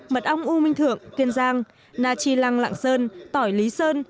mật ong u minh thượng kiên giang na chi lăng lạng sơn tỏi lý sơn